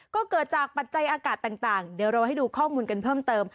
ก็เกิดจากปัจจัยอากาศต่างเดี๋ยวเราให้ดูข้อมูลกันเพิ่มเติม